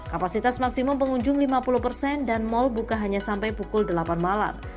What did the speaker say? kapasitas maksimum pengunjung lima puluh persen dan mall buka hanya sampai pukul delapan malam